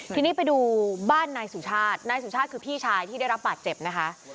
ทีนี้ไปดูบ้านนายสุชาตินายสุชาติคือพี่ชายที่ได้รับบาดเจ็บนะคะ